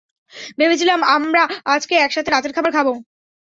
ভেবেছিলাম আমরা আজকে একসাথে রাতের খাবার খাবো।